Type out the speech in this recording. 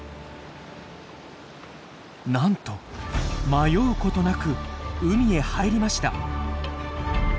なんと迷うことなく海へ入りました。